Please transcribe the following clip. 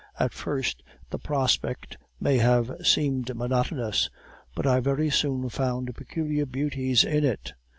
At first the prospect may have seemed monotonous, but I very soon found peculiar beauties in it.